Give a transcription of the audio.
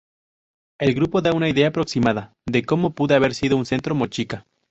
El grupo da una idea aproximada de cómo pudo haber sido un centro Mochica.